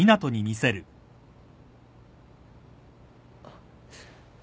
あっ。